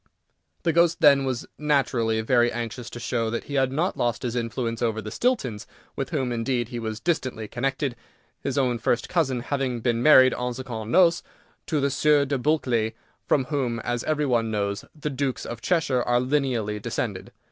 The ghost, then, was naturally very anxious to show that he had not lost his influence over the Stiltons, with whom, indeed, he was distantly connected, his own first cousin having been married en secondes noces to the Sieur de Bulkeley, from whom, as every one knows, the Dukes of Cheshire are lineally descended.